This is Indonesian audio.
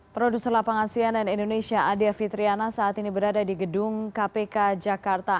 produser lapang asean dan indonesia adia fitriana saat ini berada di gedung kpk jakarta